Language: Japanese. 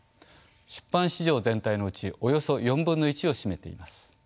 出版市場全体のうちおよそ４分の１を占めています。